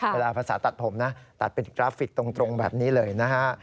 ภาษาตัดผมนะตัดเป็นกราฟิกตรงแบบนี้เลยนะฮะ